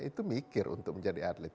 itu mikir untuk menjadi atlet